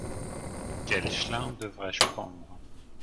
Quel chlin devrais-je prendre ?